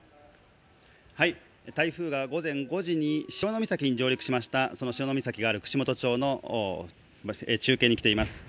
台風が午前５時に潮岬に上陸しました、その潮岬がある串本町に中継に来ています。